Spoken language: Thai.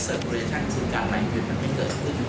เสิร์ฟโดยฐังสิ่งการไหลเตือนมันไม่เกิดขึ้น